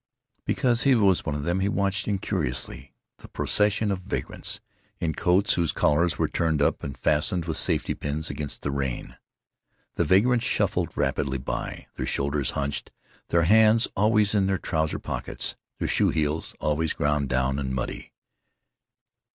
Because he was one of them he watched incuriously the procession of vagrants, in coats whose collars were turned up and fastened with safety pins against the rain. The vagrants shuffled rapidly by, their shoulders hunched, their hands always in their trousers pockets, their shoe heels always ground down and muddy.